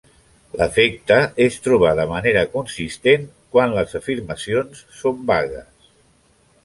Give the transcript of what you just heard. L'efecte és trobar de manera consistent quan les afirmacions són vagues.